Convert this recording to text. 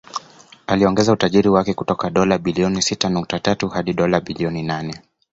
Aliongeza utajiri wake kutoka dola bilioni sita nukta tatu hadi dola bilioni nane